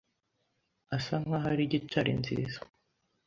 asa nkaho ari gitari nziza.